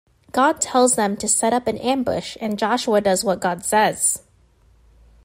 God tells them to set up an ambush and Joshua does what God says.